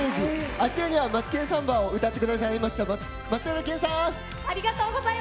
あちらには「マツケンサンバ」を歌ってくださいました松平健さん。